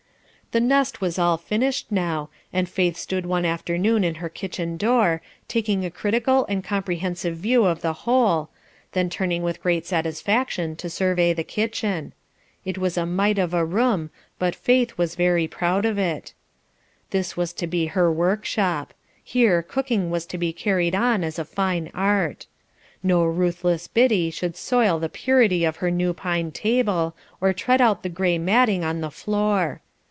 The nest was all finished now, and Faith stood one afternoon in her kitchen door, taking a critical and comprehensive view of the whole, then turning with great satisfaction to survey the kitchen. It was a mite of a room, but Faith was very proud of it; this was to be her workshop; here cooking was to be carried on as a fine art. No ruthless Biddy should soil the purity of her new pine table, or tread out the gray matting of the floor.